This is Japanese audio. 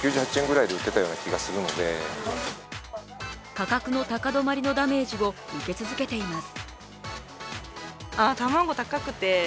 価格の高止まりのダメージを受け続けています。